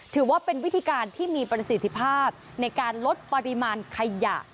ถือว่าเป็นวิธีการที่มีประสิทธิภาพในการลดปริมาณขยะ